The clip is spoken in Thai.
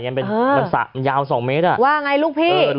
ได้ยาวจาก๒เมตร